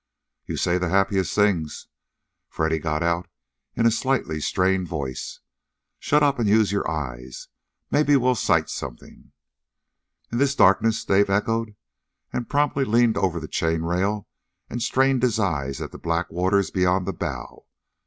"You say the happiest things!" Freddy got out in a slightly strained voice. "Shut up, and use your eyes. Maybe we'll sight something." "In this darkness?" Dave echoed, and promptly leaned over the chain rail and strained his eyes at the black water beyond the bow.